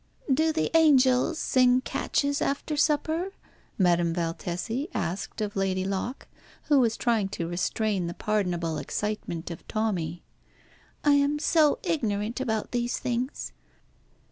"Do the angels sing catches after supper?" Madame Valtesi asked of Lady Locke, who was trying to restrain the pardonable excitement of Tommy. "I am so ignorant about these things."